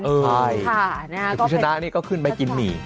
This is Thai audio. เค้าชนะร้านี้ก็คืนไปกินหมี่